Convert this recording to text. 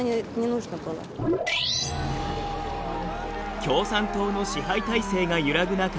共産党の支配体制が揺らぐ中